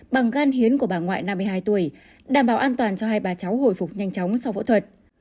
bằng gan hiến của bà ngoại năm mươi hai tuổi đảm bảo an toàn cho hai bà cháu hồi phục nhanh chóng sau phẫu thuật